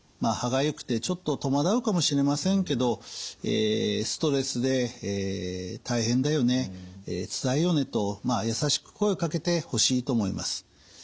歯がゆくてちょっと戸惑うかもしれませんけどストレスで大変だよねつらいよねと優しく声をかけてほしいと思います。